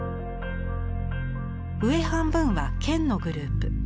上半分は「乾」のグループ。